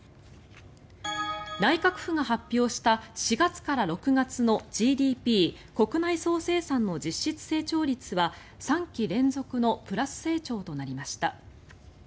内閣府が発表した４月から６月のＧＤＰ・国内総生産の実質成長率は３期連続のプラス成長となりました。